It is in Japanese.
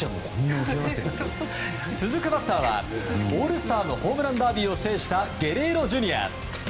続くバッターはオールスターのホームランダービーを制したゲレーロＪｒ．。